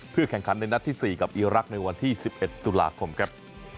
แข่งขันในนัดที่๔กับอีรักษ์ในวันที่๑๑ตุลาคมครับ